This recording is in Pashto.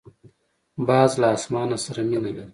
باز له اسمان سره مینه لري